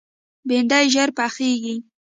بېنډۍ ژر پخېږي